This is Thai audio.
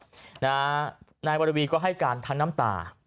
ถ้านายนายวอดดิวีก็ให้การทานน้ำตา